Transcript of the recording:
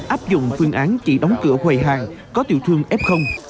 áp dụng phương án chỉ đóng cửa quầy hàng có tiểu thương f